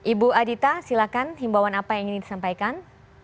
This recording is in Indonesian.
ibu adita silakan himbawan apa yang ingin disampaikan